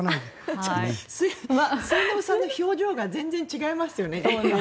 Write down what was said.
末延さんの表情が全然違いますよね。